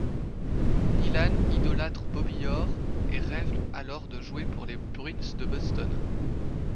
Nilan idolâtre Bobby Orr et rêve alors de jouer pour les Bruins de Boston.